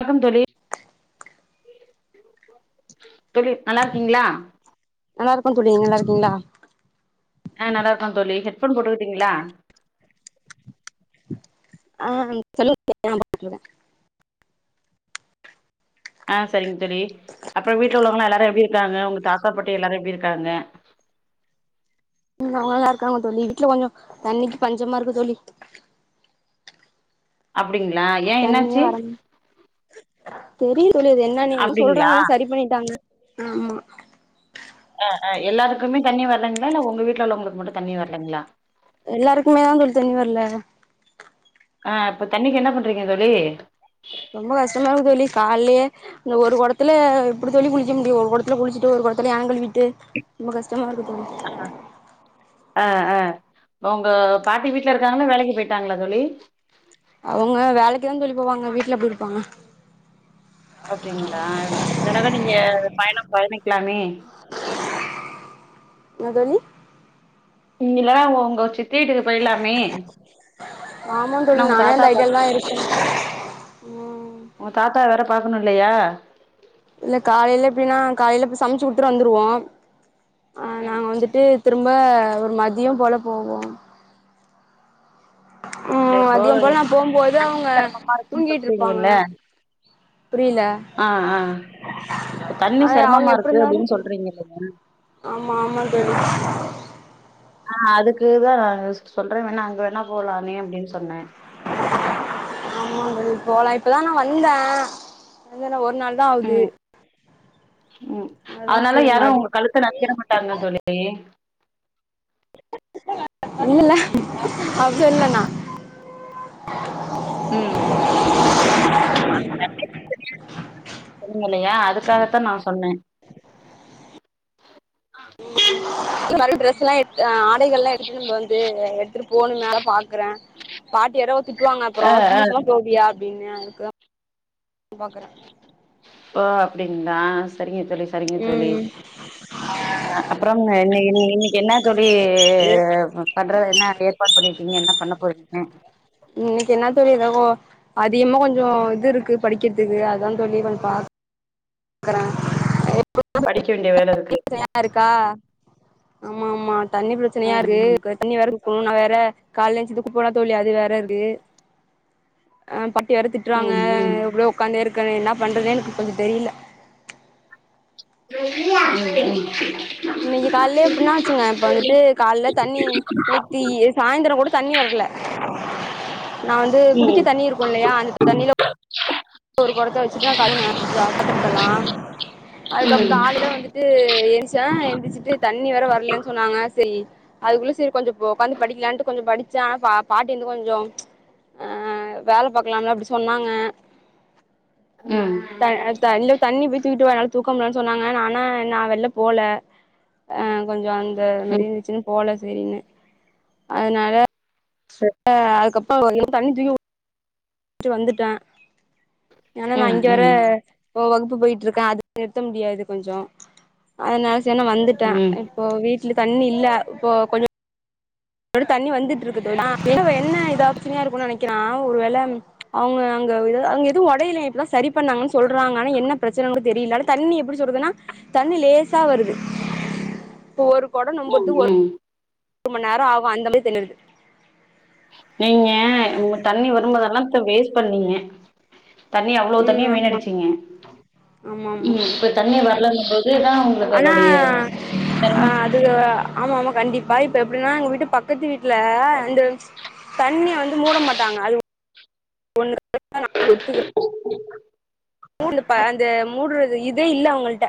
வணக்கம் தோழி தோழி நல்லா இருக்கீங்ளா நல்லாருக்கோ தோழி நீங்க நல்லாருக்கீங்களா ஆ நல்லாருக்கோ தோழி ஹெட்ஃபோன் போட்டுக்கிட்டீங்ளா ஆ சொல்லுங் [unintelligible] ஆ செரிங் தோழி அப்றோ வீட்ல உள்ளோங்ளா எல்லாரு எப்டி இருக்காங்க உங்க தாத்தா பாட்டி எல்லாரு எப்டி இருக்காங்க ம் நல்லாதா இருக்காங்க தோழி வீட்ல கொஞ்சோ தண்ணிக்கு பஞ்சமா இருக்கு தோழி அப்டிங்ளா தண்ணியே வரல தெரில தோழி அது என்னனு எதோ அப்டிங்களா சொல்றாங்க ஆனா சரி பண்ணிட்டாங்க ஆமா அ அ எல்லாருக்குமே தண்ணி வரலீங்களா இல்ல உங்க வீட்ல உள்ள வங்களுக்கு மட்டு தண்ணி வரலைங்களா எல்லாருக்குமே தா தோழி தண்ணி வர்ல ஆ இப்ப தண்ணிக்கி என்ன பண்றீங்க தோழி ரொம்ப கஷ்டம இருக்கு தோழி கால்லைலே இந்த ஒரு கொடத்துல எப்டி தோழி குளிக்க முடியு ஒரு கொடத்துல குளிச்சிட்டு ஒரு கொடத்துல ஆங்கில்விட்டு ரொம்ப கஷ்டமாருக்கு தோழி ஆ ஆ உங்க பாட்டி வீட்ல இருக்காங்ளா வேலைக்கு போய்டிட்டாங்களா தோழி அவுங்க வேலைக்குதா தோழி போவாங்க வீட்ல எப்டி இருப்பாங்க அப்டிங்களா இந்தடவ நீங்க பயணம் பயணிக்கலாமே என்ன தோழி இங்க இல்லைனா உங்க சித்தி வீட்டுக்கு போய்லாமே ஆமா தோழி உங்க நானே தாத்தா அந்த பாத்து [inaudible] உன் தாத்தா வேற பாக்கணும் இல்லையா இல்ல காலையில எப்டின்னா காலையில போய் சமைச்சு குடுத்துட்டு வந்துருவோ ம் விட்டு திரும்ப ஒரு மதியம் போல போவோம் இல்ல ம் இப்போ மதியம் போல நான் போகும்போது அவங்க சிரமமா இருக்குன்னு தூங்கிட்டு இருப்பாங்க சொல்றீங்கல்ல புரில ஆ ஆ இப்ப அ தண்ணி அவங்க செரமமா எப்டி இருக்கு இருந்தாலு அப்டின்னு சொல்றீங்கல்ல ஆமா ஆமா தோழி ஆ அதுக்குதா நா யோசிச்சிட்டு சொல்ற வேணா அங்க வேணா போலாண்ண அப்டின்னு சொன்ன ஆமாங்க போலா இப்பதா நா வந்தேன் வந்தன்னா ஒரு நாள் தா ஆவுது ம் ம் அதா அதனால சரி யாரும் மறு உங்க கழுத்த ந க்கீறமாட்டாங்க தோழி இல்லல்ல அப்டி இல்லண்ணா ம் தெரியலையா அதுக்காகத்தா நா சொன்ன இல்லல அது ட்ரெஸ்ல்லா எடுத் ஆடைகள்ல்லா எடுத்துட்டு வந்து அங்குட்டு போணுமே அத பாக்றே பாட்டி வேற திட்டுவாங்க ஆ அப்றோ ஆ சும்மா சும்மா போவியா அப்டின்னு அதுக்குதா பாக்கற ப்போ அப்டின்ங்களா சரிங்க தோழி ம் அ அப்றம் இன்ன இன்னைக்கு என்ன தோழி அ பண்றதுகென்ன என்ன ஏற்பாட் பண்ணிர்க்கீங்க என்ன பண்ண போறீங்க ம் இன்னைக்கு என்ன தோழி ரகோ அதிகமா கொஞ்ச இது இருக்கு படிக்கறதுக்கு அதா தோழி பா க்கற ஏப்பு படிக்க வேண்டிய வேல இருக்கு ருக்கா ஆமா ஆமா தண்ணி பிரச்சனயா ம் இருக்கு தண்ணி வேற தூக்குனு நா வேற கால்ல எஞ்சுட்டு தூக்க போற தோழி அது வேற இருக்கு அ பட்டி வேற திட்றாங்க ம் ம் ம் இப்டியே உக்காந்தே இருக்க என்ன பண்றதேனு எனக்கு கொஞ்சோ தெரில [inaudible] இன்னைக்கு கால்லே எப்புனா வெச்சுங்க இப்ப வந்துட்டு கால்ல தண்ணி நேத்தி சாயந்தரம் கூட தண்ணி வரல நா வந்து குடிக்க ம் தண்ணி இருக்கும் இல்லையா அந்த தண்ணில ஒரு கொடத்த வெச்சுட்டு கலுவுன [unintelligible] அதுக்கப் காலைல வந்து இது எந்சா எந்துச்சிட்டு தண்ணி வேற வரலன்னு சொன்னாங்க சேரி அதுக்குள்ள சேரி கொஞ்ச‌ ப்போ ஓக்காந்து படிக்கலான்ட்டு கொஞ்ச படிச்சா பா பாட்டி வந்து கொஞ்சோ அ வேல பாக்கலாம்ல அப்டி சொன்னாங்க ம் தா தல்லு தண்ணி போய் தூக்கிட்டு வானா தூக்க முடியலனு சொன்னாங்க ஆனா நா வெள்ல போல ஆ கொஞ்ச அந்த ம் மாரிருந்துச்சுன்னு போல சேரின்னு அதுனால சோ ஆ அதுக்கப்றோ வந்து தண்ணி தூ [inaudible] வந்துட்டன் ஏனா நா ம் இங்க வேற ம் ஓ வகுப்பு போயிட்டு இருக்க அது நிறுத்த முடியாது கொஞ்சோ அதுனால செர்னு வந்துட்டே ம் இப்போ வீட்ல தண்ணி இல்ல இப்போ கொஞ்சு கொடொ தண்ணி வந்துட்டு இருக்குதுனா வேற என்ன இதாச்சினு நெனைக்கிறான் ஒரு வேள அவுங்க அங்க அங்கே எதுவு ஒடையலே இப்பதா சரி பண்ணாங்கன்னு சொல்றாங்க ஆனா என்ன பிரச்சனன் தெரில தண்ணி எப்டி சொல்றதுன்னா தண்ணி லேசா வருது இப்ப ஒரு கொடோ ம் நெம்பறது ஒரு ம் ஒரு மண்நேரோ ஆகு அந்த மாரி தெர்து நீங்க இங்க தண்ணி வரும்போதெல்லா போ வேஸ்ட் பண்ணீங்க தண்ணிய அவ்ளோ ம் தண்ணிய ஆமா வீண்ணடிச்சீங்க ஆமா ஆமா ம் இப்ப தண்ணி வரலன்னு போது தா உங்களுக்கு ஆனா அதோடைய ஆ செரமம் அது ஆமா ஆமா கண்டிப்பா இப்ப எப்டினா எங்க வீட்டு பக்க பக்கத்து வீட்ல அந் தண்ணி வந்து மூட மாட்டாங்க அது ங்க [inaudible] நானு ஒத்துக்கற மூட்தப்ப அந்த மூட்றது இதே இல்ல அவங்கள்ட்ட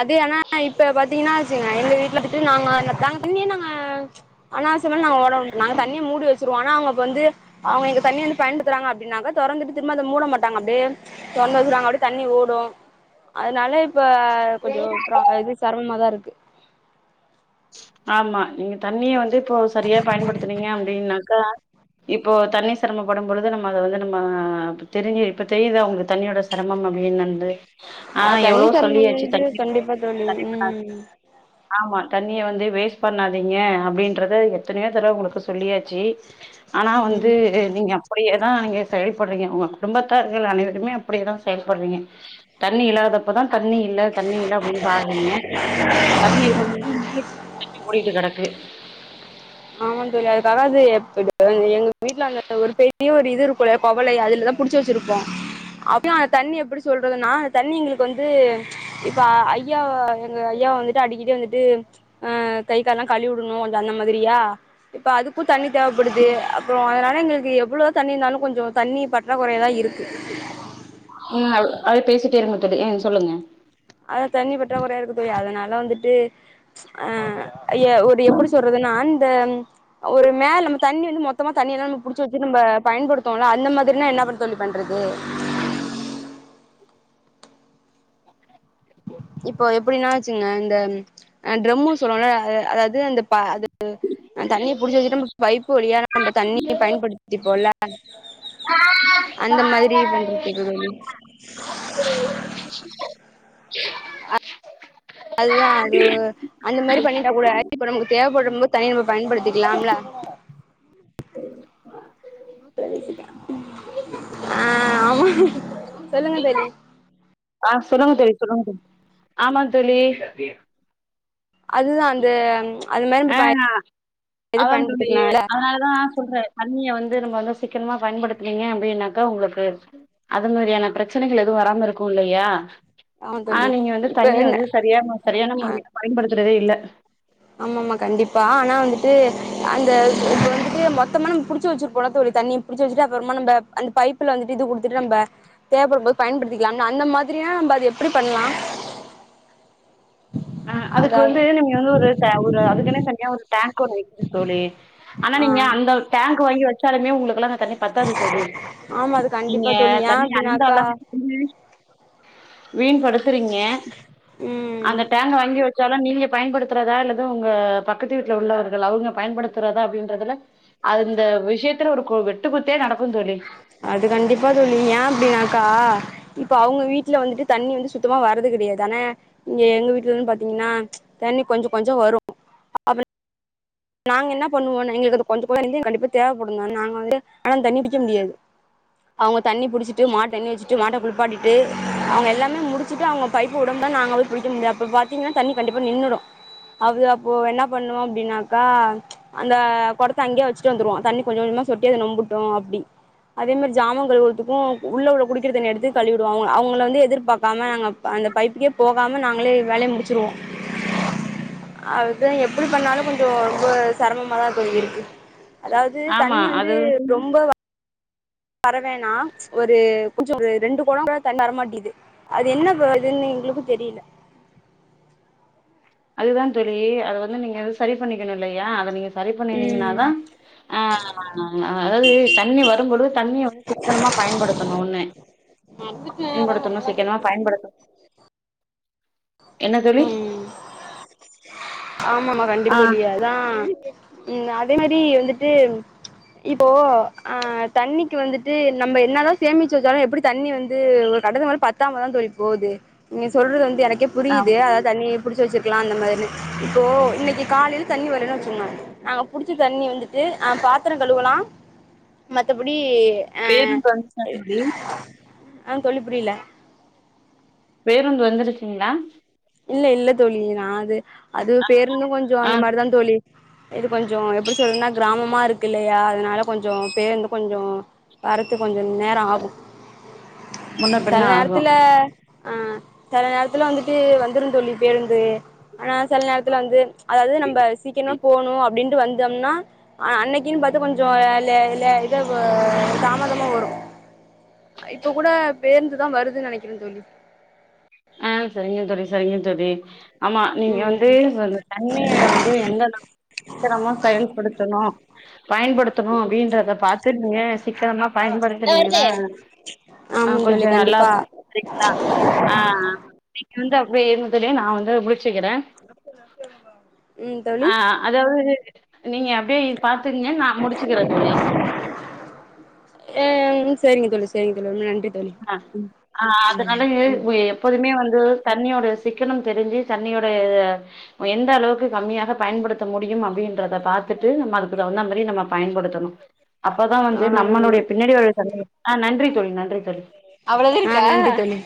அது ஆனா இப்ப பாத்தீங்குன்னா வச்சுங்க எங்க வீட்ல விட்டு நாங்க அந்த தாங்க தண்ணியேனங்க அனாவஸியமா நாங்க வந்து நாங்க தண்ணிய மூடி வச்சுருவோம் அவங்கப்ப வந்து அவுங்க இங்க தண்ணி வந்து பயன்படுத்துறாங்க அப்டின்னாக்கா தொறந்துட்டு திரும்ப அத மூட மாட்டாங்க அப்டே தொன்பது அப்டி தண்ணி ஓடும் அதனால இப்ப கொஞ்ச இது சிரமமாதா தா இருக்கு ஆமா நீங்க தண்ணிய வந்து இப்போ சரியா பயன்படுத்தனீங்க அப்டின்னாக்கா இப்போ தண்ணி சிரமப்படும் பொழுது நம்ம அத வந்து நம்ம தெரிஞ்சி இப்ப தெரியுத உங்க தண்ணியோட சிரமம் அப்டின் வந்து ஆ தண்ணி எவ்ளோ செரமம் சொல்லியாச்சு வந்து தண்ணி கண்டிப்பா தோழி ம் ஆமா தண்ணியை வந்து வேஸ்ட் பண்ணாதீங்க அப்படின்றத எத்தனயோ தடவ உங்களுக்கு சொல்லியாச்சு ஆனா ம் வந்து நீங்க அப்டியே தான் நீங்க செயல்படுறீங்க உங்க குடும்பத்தார்கள் அனைவருமே அப்டியே தா செயல்பட்றீங்க தண்ணி இல்லாதப்பதா தண்ணி இல்ல தண்ணி இல்ல அப்டின் பாட்றீங்க தண்ணி இருக்கும்போது தண்ணி ஓடிட்டு கடக்கு ஆமா தோழி அதுக்காக அது எப்டி எங்க வீட்டுல அந்த ஒரு பெரிய ஒரு இது இருக்குள்ள குவளை அதுலதா புடிச்சு வச்சிருப்போ அப்யு அந்த தண்ணி எப்டி சொல்றதுன்னா அந்த தண்ணி எங்களுக்கு வந்து இப்ப ஐயா எங்க ஐயா வந்துட்டு அடிக்கடி வந்துட்டு ஆ கைக் கால்லா கழுவி உடனு கொஞ்ச அந்த மாதிரியா இப்ப அதுக்கு தண்ணி தேவப்படுது அப்றம் அதனால எங்களுக்கு எவ்வளவோ தண்ணி இந்தாலும் கொஞ்சம் தண்ணி பற்றாக்குறையதா இருக்கு ம் அது அப்டே பேசிட்டே இருங்க தோழி ம் சொல்லுங்க அதா தண்ணி பற்றாக்குறையா இருக்கு தோழி அதனால வந்துட்டு அ ஐய ஒரு எப்டி சொல்றதுன்னா இந்த ஒரு மேல நம்ம தண்ணி வந்து மொத் மொத்தமா தண்ணிய எல்லா நம்ம புடிச்சு வச்சு பயன்படுத்துவோம்ல அந்த மாதிரினா என்ன தோழி பண்றது செரி போ இப்போ எப்டின்னா வச்சுங்க இந்த ட்ரம்மு சொல்லுவோல அதாவது அந்த ப அது தண்ணிய புடிச்சு வச்சுட்டு நம்ம பைப்பு வழியா நம்ம தண்ணிய பயன்படுத்திப் போல அந்த மாரி பண்றது தோழி [inaudible] அதுதான் அது அந்த மாரி பண்ணிட்டா கூடா இப்ப நமக்கு தேவப்படும் போது தண்ணி நம்ம பயன்படுத்திக்கலாம்லா [inaudible] அ சொல்லுங்க தோழி ஆ சொல்லுங்க தோழி சொல்லுங்க தோழி ஆமா தோழி அதுதா அந்த அது மாரி ஆ நம்ம இது அதா தோழி பயன்படுத்திக்கலாம்ல அதனாலதா நா சொல்ற தண்ணியை வந்து நம்ம வந்து சிக்கன்மா பயன்படுத்துவீங்க அப்டின்னாக்கா உங்ளுக்கு அது மாரியான பிரச்சனைகள் எதுவும் வராம இருக்கும் இல்லையா ஆமா ஆ தோழி நீங்க வந்து இப்ப தண்ணிய வந்து சரியான சரியான முறையில பயன்படுத்துறதே இல்ல ஆமா ஆமா கண்டிப்பா ஆனா வந்துட்டு அந்த இங்க வந்துட்டு மொத்தமா நம் புடிச்ச வச்சிருப்போல தோழி தண்ணி புடிச்சு வச்சுட்டு அப்புறமா நம்ம அந்த பைப்புல வந்துட்டு இது குடுத்துட்டு நம்ப தேப்படும்போது பயன்படுத்திக்கலாம்னா அந்த மாதிரியானா நம்ம அது எப்டி பண்லா அ அதுக்கு வந்து நீங்க ஒரு டேங்க் அதுக்குன தனியா ஒரு டேங்க் தோழி சொல்லி ஆனா ஆ நீங்க அந்த டேங்க் வாங்கி வச்சாலுமே உங்களுக்கு உலக தண்ணி பத்தாதது தோழி ஆமா அது நீங்க கண்டிப்பா தோழி ஏ தண்ணி அந்த அப்டின்னாக்கா அளவுக்கு வீண் படுத்துறீங்க ம் அந்த டேங்க் வாங்கி வச்சாலும் நீங்க பயன்படுத்துறதா இல்லது உங்க பக்கத்து வீட்டுல உள்ளவர்கள் அவங்க பயன்படுத்துறதா அப்டின்றதுல அது இந்த விஷயத்துல ஒரு வெட்டு குத்தே நடக்கு தோழி அது கண்டிப்பா தோழி ஏன் அப்டின்னாக்கா இப்ப அவங்க வீட்டுல வந்துட்டு தண்ணி வந்து சுத்தமா வரது கெடையா தான இங்க எங்க வீட்டுல இருந்து பாத்தீங்கன்னா தண்ணி கொஞ்ச கொஞ்ச வரு நாங்க என்ன பண்ணுவோன்ன எங்களுக்கு அது கொஞ்ச [unintelligible] கண்டிப்பா தேவைப்படு தா நாங்க வந்து ஆனா அந்த தண்ணிய குடிக்க முடியாது அவுங்க தண்ணி புடுச்சுட்டு மாட்டு தண்ணி வச்சுட்டு மாட்ட குளிப்பாட்டிட்டு அவுங்க எல்லாமே முடுச்சுட்டு அவுங்க பைப்பு உடம் தான் நாங்க போய் புடிக்க முடியு அப்ப பாத்தீங்கனா தண்ணி கண்டிப்பா நின்னுடு அவ்ள அப்போ என்ன பண்ணுவோ அப்டின்னாக் அ அந்த கொடத்த அங்கயே வச்சுட்டு வந்துருவோ தண்ணி கொஞ்ச கொஞ்சமா சொட்டி அது நொம்பட்டு அப்டி அதே மாரி ஜாமங்கழுவுறதுக்கு உள்ள உள்ள குடிக்கிற தண்ணி எடுத்து கழுவுடுவோங்க அவங்கள வந்து எதிர்பார்க்காம நாங்க அந்த பைப்புக்கே போ போகாம நாங்களே வேலைய முடிச்சுருவோ [inaudible] அதுதா எப்டி பண்ணாலு கொஞ்சோ ரொம்ப சிரமமாத தோழி இருக்கு அதாவது ஆமா தண்ணி வந்து அது ரொம்ப வ வரவேன்னா ஒரு கொஞ்ச ஒரு ரெண்டு கொடங் கூட தண்ணி வரமாட்டீது அது என்ன ப்ரோ இதுன்னு எங்களுக்கு தெரியல அதுதா தோழி அத வந்து நீங்க சரி பண்ணிக்கணு இல்லையா அத நீங்க சரி ம் பண்ணினீங்கனாதா பண்ணினீங்கன்னாதான் ஆ ஆ அ அதாவது தண்ணி வரும் பொழுது தண்ணிய வந்து சிக்கனமா பயன்படுத்தணுனு [inaudible] நடந்துட்டு அதா நனஞ்சிருக்கு பயன்படுத்து என்ன தோழி ம் ஆமாமா கண்டிப்பா ஆ தோழி அதா ம் அதே மாரி வந்துட்டு இப்போ ஆ தண்ணிக்கு வந்துட்டு நம்ம என்னதா சேமிச்சு வச்சாலு எப்பிடி தண்ணி வந்து ஒரு கட்டதுக்கு மேல பத்தாம தா தோழி போது நீங்க சொல்றது வந்து எனக்கே ஆ புரியிது அதா தண்ணி புடுச்சு வச்சுருக்கலா அந்த மாதிரின்னு இப்போ இன்னக்கி காலேல தண்ணி வரலேன் வச்சுகோங்க நாங்க புடுச்ச தண்ணி வந்துட்டு ஆ பாத்தரோ கழுவலா மத்தபடி ஆ பேருந்து வந்துருச்சா தோழி ஆ தோழி புரியல பேருந்து வந்துருச்சுங்களா இல்ல இல்ல தோழி நா அது அது பேருந்து கொஞ்சோ ஆ அந்த மாரிதா தோழி இது கொஞ்சோ எப்டி சொல்றதுனா கிராமமா இருக்கு இல்லையா அதுனால கொஞ்சோ பேருந்து கொஞ்சோ வரத்து கொஞ்ச நேரோ ஆகு முன்ன பின்ன சில ஆகு நேரத்துல ஆ சில நேரத்துல வந்துட்டு வந்துரு தோழி பேருந்து ஆனா சில நேரத்துல வந்து அதாவது நம்ம சீக்கிரமா போகணு அப்டின்ட்டு வந்தம்னா அ அன்னக்கின் பாத்து கொஞ்சோ லே லே இல்ல இத பு தாமதமா வரு இப்ப கூட பேருந்து தா வருதுன் நெனைக்கிறே தோழி ஆ சேரிங்க தோழி சேரிங்க தோழி ஆமா நீங்க வந்து ம் அந்த தண்ணிய வந்து எந்த சிக்கனமா செயல்படுத்தணு பயன்படுத்தணு அப்டின்றத பாத்து நீங்க சிக்கனமா பயன்படுத்துனீங்கன்னா ஆமாங் தோழி கண்டிப்பா ரிக்தா ஆ நீங்க வந்து அப்டியே இருங்க நா வந்து முடுச்சுக்கிறே நத்த நத்தப்பா [unintelligible] ஆ அதாவது நீங்க அப்டியே பாத்துக்கங்க நா முடுச்சுக்கிறே தோழி ஆ ம் சேரிங்க தோழி சேரிங்க தோழி ரொம்ப நன்றி தோழி ஆ ம் ஆ அதனாலே எப்போதுமே வந்து தண்ணியோட சிக்கனம் தெரிஞ்சு தண்ணியோட ஆ நம்ம எந்த அளவுக்கு கம்மியாக பயன்படுத்த முடியு அப்டின்றத பாத்துட்டு நம்ம அதுக்கு தகுந்த மாரி நம்ம பயன்படுத்தணு அப்பதா ஆ வந்து நம்மளுடைய பின்னாடி வர சந்ததி ஆ நன்றி தோழி நன்றி தோழி அவளது இருக்கா ஆ இருக்கு தோழி